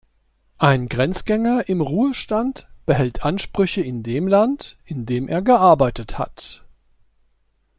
Ein Grenzgänger im Ruhestand behält Ansprüche in dem Land, in dem er gearbeitet hat.